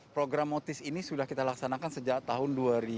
program motis ini sudah kita laksanakan sejak tahun dua ribu dua